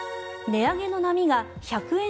値上げの波が１００円